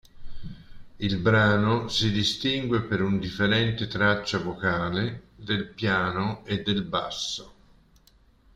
Il brano si distingue per un differente traccia vocale, del piano e del basso.